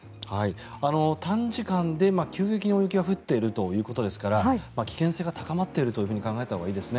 短時間で急激に大雪が降っているということですから危険性が高まっていると考えたほうがよいですね。